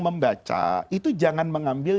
membaca itu jangan mengambil